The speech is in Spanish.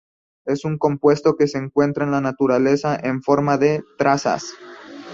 Es un compuesto que se encuentra en la naturaleza en forma de trazas.